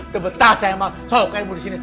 kebetulan saya mau selalu keimu disini